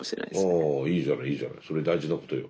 ああいいじゃないいいじゃないそれ大事なことよ。